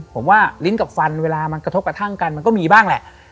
ผมว่าลิ้นกับฟันเวลามันกระทบกระทั่งกันมันก็มีบ้างแหละ